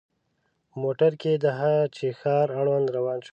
په موټر کې د هه چه ښار اړوند روان شوو.